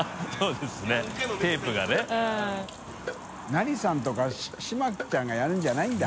覆蠅気鵑箸島ちゃんがやるんじゃないんだ。